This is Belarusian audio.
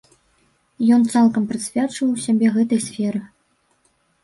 Ён цалкам прысвячаў сябе гэтай сферы.